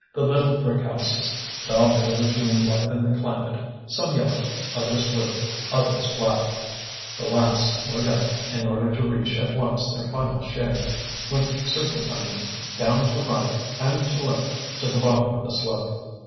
The little brick houses, daubed over to enliven the climate, some yellow, others blue, others black the last, no doubt, in order to reach at once their final shade went serpentining down to right and to left to the bottom of the slope.